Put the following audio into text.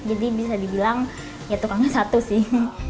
bisa dibilang ya tukangnya satu sih